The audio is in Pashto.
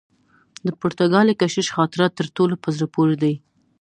د پرتګالي کشیش خاطرات تر ټولو په زړه پوري دي.